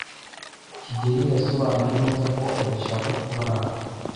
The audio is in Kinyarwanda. kigeli yasobanuye neza ko adashaka kubagwa.